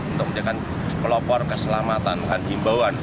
untuk menjaga pelopor keselamatan dan imbauan